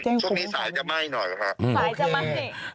ช่วงนี้สายจะไหม้หน่อยครับโอเค